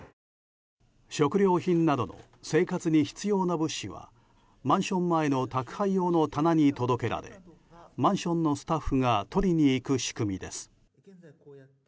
食料品などの生活に必要な物資はマンション前の宅配用の棚に届けられマンションのスタッフが取りに行く仕組みです。